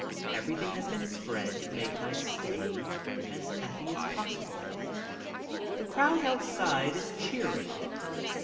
Everything has been spread to make my stay as happy as possible. The crowd outside is cheering.